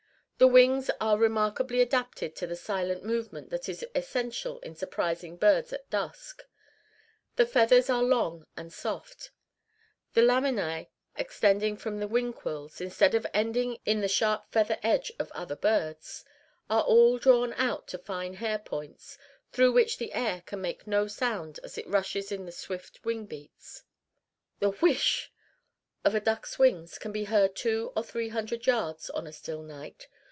The wings are remarkably adapted to the silent movement that is essential to surprising birds at dusk. The feathers are long and soft. The laminæ extending from the wing quills, instead of ending in the sharp feather edge of other birds, are all drawn out to fine hair points, through which the air can make no sound as it rushes in the swift wing beats. The whish of a duck's wings can be heard two or three hundred yards on a still night.